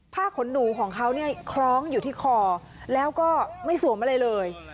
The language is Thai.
ขนหนูของเขาเนี่ยคล้องอยู่ที่คอแล้วก็ไม่สวมอะไรเลย